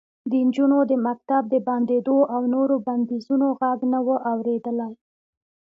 د نجونو د مکتب د بندېدو او نورو بندیزونو غږ نه و اورېدلی